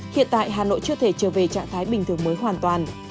hiện tại hà nội chưa thể trở về trạng thái bình thường mới hoàn toàn